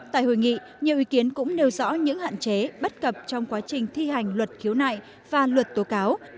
tại hội nghị nhiều ý kiến cũng nêu rõ những hạn chế bất cập trong quá trình thi hành luật khiếu nại và luật tố cáo